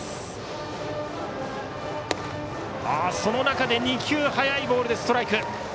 その中で２球速いボールでストライク。